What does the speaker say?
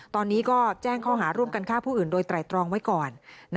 ตอนนี้ก็แจ้งข้อหาร่วมกันฆ่าผู้อื่นโดยไตรตรองไว้ก่อน